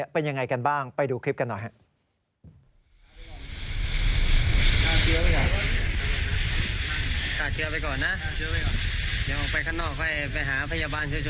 เป็นอย่างไรกันบ้างไปดูคลิปกันหน่อย